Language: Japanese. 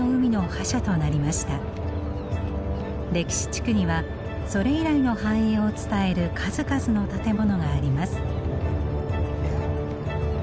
歴史地区にはそれ以来の繁栄を伝える数々の建物があります。